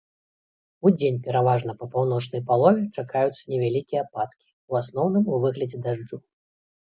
Удзень пераважна па паўночнай палове чакаюцца невялікія ападкі, у асноўным у выглядзе дажджу.